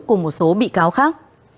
cùng một số bị cáo khác